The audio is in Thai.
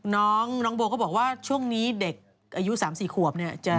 น้องน้องโบก็บอกว่าช่วงนี้เด็กอายุ๓๔ขวบ